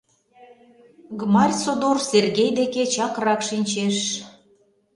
Гмарь содор Сергей деке чакрак шинчеш.